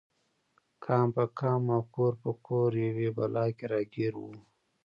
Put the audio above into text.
قام په قام او کور په کور یوې بلا کې راګیر و.